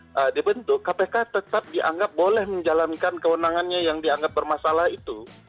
kalau dibentuk kpk tetap dianggap boleh menjalankan kewenangannya yang dianggap bermasalah itu